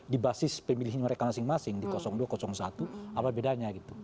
di basis pemilihnya mereka masing masing di dua satu apa bedanya gitu